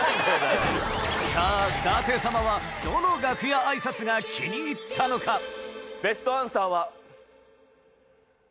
さぁ舘様はどの楽屋挨拶が気に入ったのかベストアンサーは。